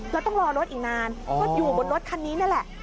แล้วต้องรอรถอีกนานก็อยู่บนรถคันนี้นั่นแหละ